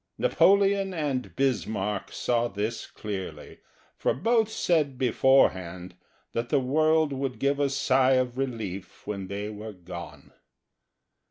Napoleon and Bismarck saw this clearly, for both said beforehand that the world would give a sigh of relief when they were gone.